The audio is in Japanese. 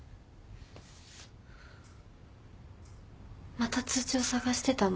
また通帳捜してたの？